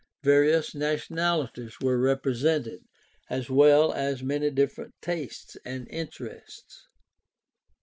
Various nationalities were represented, as well as many differ ent tastes and interests.